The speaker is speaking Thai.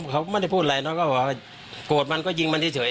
เขาก็ไม่ได้พูดอะไรเนอะก็บอกว่าโกรธมันก็ยิงมันเฉย